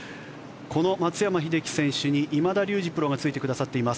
この松山英樹選手に今田竜二プロがついてくださっています。